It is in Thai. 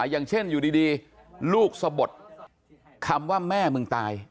อย่างเช่นอยู่ดีลูกสะบดคำว่าแม่มึงตาย